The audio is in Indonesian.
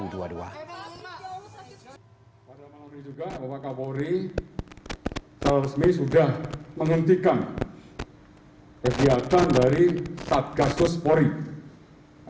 salah resmi sudah menghentikan kegiatan dari satgasus merah putih